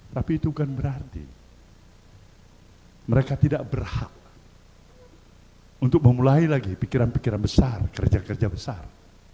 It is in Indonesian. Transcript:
tapi itu kan berarti mereka tidak berhak untuk memulai lagi pikiran pikiran besar kerja kerja besar